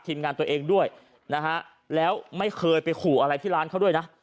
งานตัวเองด้วยนะฮะแล้วไม่เคยไปขู่อะไรที่ร้านเขาด้วยนะ